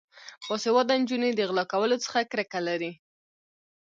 باسواده نجونې د غلا کولو څخه کرکه لري.